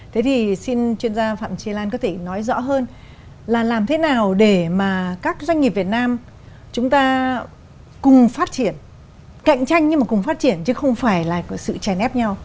thế thì xin chuyên gia phạm chế lan có thể nói rõ hơn là làm thế nào để mà các doanh nghiệp việt nam chúng ta cùng phát triển cạnh tranh nhưng mà cùng phát triển chứ không phải là sự chèn ép nhau